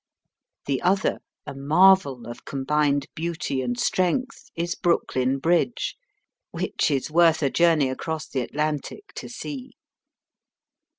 The other, a marvel of combined beauty and strength, is Brooklyn Bridge, which is worth a journey a<5ross the Atlantic to see.